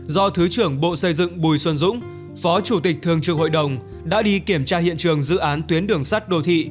do thứ trưởng bộ xây dựng bùi xuân dũng phó chủ tịch thường trực hội đồng đã đi kiểm tra hiện trường dự án tuyến đường sắt đô thị